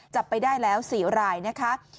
จับไปได้แล้ว๔รายนะคะ